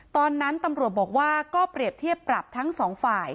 ตอนนั้นตำรวจบอกว่าก็เปรียบเทียบปรับทั้งสองฝ่าย